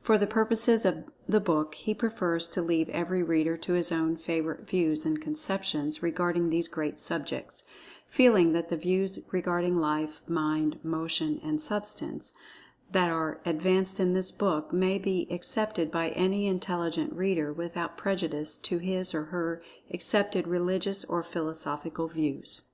For the purposes of the book, he prefers to leave every reader to his own favorite views and conceptions regarding these great subjects, feeling that the views regarding Life, Mind, Motion and Substance, that are advanced in this book, may be accepted by any intelligent reader, without prejudice to his, or her, accepted religious or philosophical views.